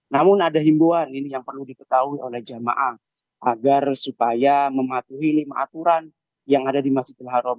namun ada himbuan ini yang perlu diketahui oleh jamaah agar supaya mematuhi lima aturan yang ada di masjidil haram